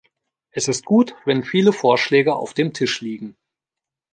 Es ist gut, wenn viele Vorschläge auf dem Tisch liegen.